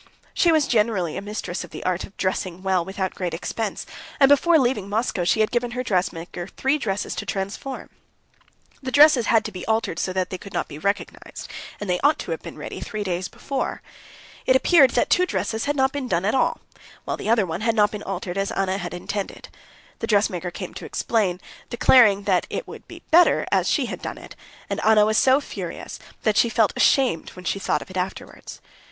She was generally a mistress of the art of dressing well without great expense, and before leaving Moscow she had given her dressmaker three dresses to transform. The dresses had to be altered so that they could not be recognized, and they ought to have been ready three days before. It appeared that two dresses had not been done at all, while the other one had not been altered as Anna had intended. The dressmaker came to explain, declaring that it would be better as she had done it, and Anna was so furious that she felt ashamed when she thought of it afterwards.